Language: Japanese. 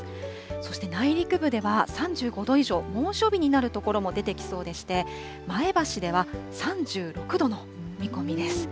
そして内陸部では３５度以上、猛暑日になる所も出てきそうでして、前橋では３６度の見込みです。